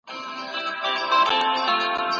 ايا فکري تنوع په ټولنه کي منل سوې ده؟